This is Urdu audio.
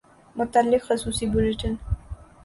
متعلق خصوصی بلیٹن